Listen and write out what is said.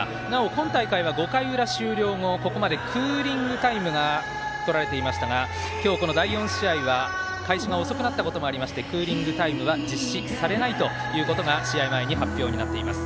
今大会は５回裏終了後ここまでクーリングタイムがとられていましたが今日、この第４試合は開始が遅くなったこともありましてクーリングタイムは実施されないということが試合前に発表になっています。